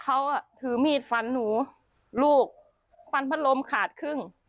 เขาถือมีดฟันหนูลูกฟันพัดลมขาดครึ่ง